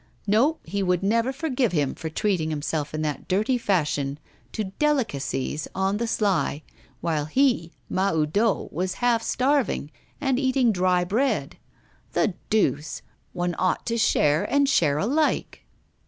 No, he would never forgive him for treating himself in that dirty fashion to delicacies on the sly, while he, Mahoudeau, was half starving, and eating dry bread. The deuce! one ought to share and share alike.